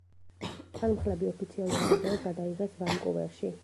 თანმხლები ოფიციალური ვიდეო გადაიღეს ვანკუვერში.